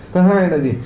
thứ hai là gì